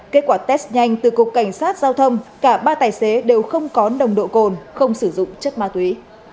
kết quả test nhanh từ cục cảnh sát giao thông cả ba tài xế đều không có nồng độ cồn không sử dụng chất ma túy